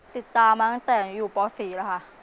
ติดตามมาตั้งแต่อยู่ป๔แล้วค่ะ